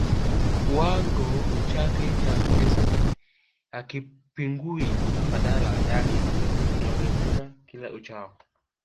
Kiwango chake cha mchezo hakipungui na badala yake kinaongezeka kila uchao